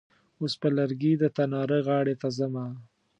اوس په لرګي د تناره غاړې ته ځمه.